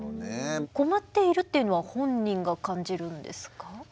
困っているっていうのは本人が感じるんですか？